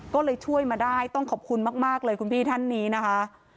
ก็เลยช่วยมาได้ต้องขอบคุณมากเลยคุณพี่ท่านนี้นะคะ